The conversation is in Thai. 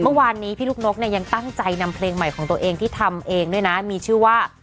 เมื่อวานนี้พี่ลูกนกเนี่ยยังตั้งใจนำเพลงใหม่ของตัวเองที่ทำเองด้วยนะมีชื่อว่า